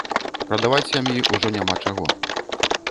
Прадаваць сям'і ўжо няма чаго.